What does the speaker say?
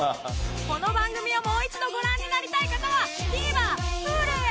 この番組をもう一度ご覧になりたい方はＴＶｅｒＨｕｌｕへ